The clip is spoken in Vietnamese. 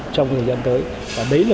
trong thời gian tới và đấy là